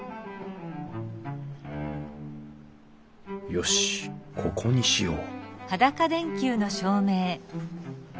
よしここにしよう